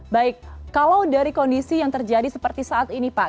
baik kalau dari kondisi yang terjadi seperti saat ini pak